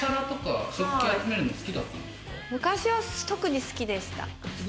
昔は特に好きでした。